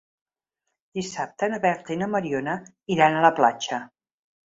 Dissabte na Berta i na Mariona iran a la platja.